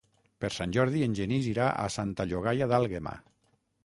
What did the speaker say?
Per Sant Jordi en Genís irà a Santa Llogaia d'Àlguema.